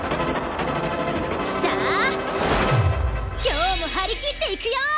さあ今日も張り切っていくよ！